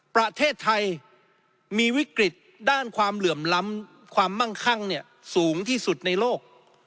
ประเทศไทยมีวิกฤตด้านความเหลื่อมล้ำความมั่งคั่งสูงที่สุดในโลก